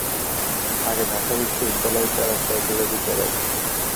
আগে ঢাকা বিশ্ববিদ্যালয়ে প্যারাসাইকোলজি পড়াতেন।